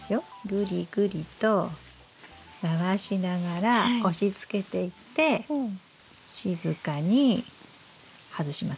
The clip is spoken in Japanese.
グリグリと回しながら押しつけていって静かに外しますよ。